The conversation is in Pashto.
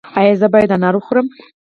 ایا زه باید انار وخورم؟